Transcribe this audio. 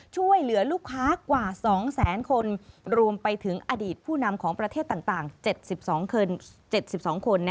ช่วยเหลือลูกค้ากว่า๒แสนคนรวมไปถึงอดีตผู้นำของประเทศต่าง๗๒คน